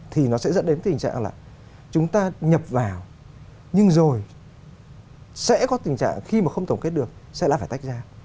thì nó sẽ dẫn đến tình trạng là chúng ta nhập vào nhưng rồi sẽ có tình trạng khi mà không tổng kết được sẽ là phải tách ra